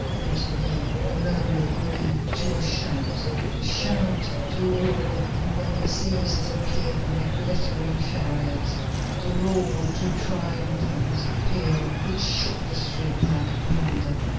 Presently the murmur grew to a shout, the shout to a roar, and when the Cæsars appeared in their glittering chariots, the roar to a triumphant peal which shook the street like thunder.